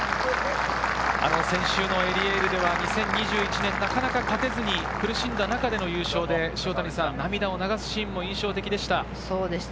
先週のエリエールでは２０２１年、なかなか勝てずに苦しんだ中での優勝で、涙を流すシーンも印象的でしたね。